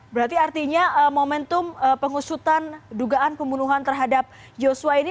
berarti artinya momentum pengusutan dugaan pembunuhan terhadap joshua ini